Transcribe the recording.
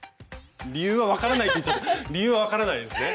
理由は分からないって理由は分からないですね？